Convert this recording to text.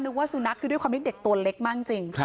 ว่าสุนัขคือด้วยความที่เด็กตัวเล็กมากจริง